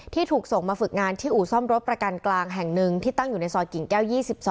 ที่ถูกส่งมาฝึกงานที่อู่ซ่อมรถประกันกลางแห่งหนึ่งที่ตั้งอยู่ในซอยกิ่งแก้ว๒๒